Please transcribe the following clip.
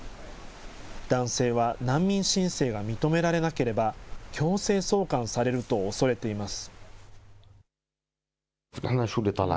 男性は難民申請が認められなければ、強制送還されると恐れています。